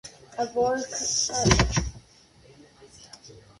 A whole classification of cards, political cards, are designed with this in mind.